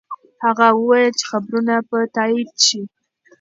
هغه وویل چې خبرونه به تایید شي.